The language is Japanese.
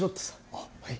あっはい。